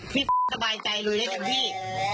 พี่ตะบายใจเลยนะพี่